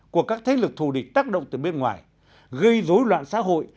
của các thế lực thù địch tác động từ bên ngoài gây dối loạn xã hội